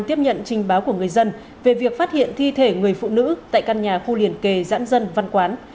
tiếp nhận trình báo của người dân về việc phát hiện thi thể người phụ nữ tại căn nhà khu liền kề giãn dân văn quán